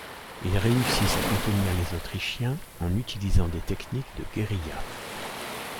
Ils réussissent à contenir les Autrichiens en utilisant des techniques de guérilla.